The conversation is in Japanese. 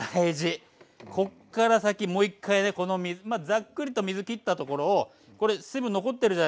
こっから先もう一回ねざっくりと水きったところをこれ水分残ってるじゃないですか。